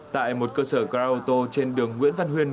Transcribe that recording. tại một cơ sở car auto trên đường nguyễn văn huyên